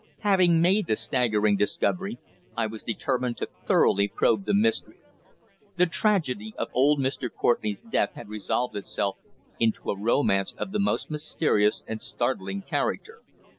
Having made the staggering discovery, I was determined to thoroughly probe the mystery. The tragedy of old Mr. Courtenay's death had resolved itself into a romance of the most mysterious and startling character.